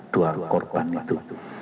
dua korban itu